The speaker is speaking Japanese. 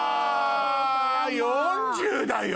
４０だよ。